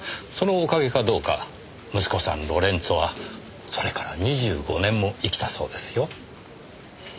そのおかげかどうか息子さんロレンツォはそれから２５年も生きたそうですよ。